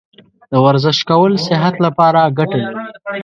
د ورزش کول صحت لپاره ګټه لري.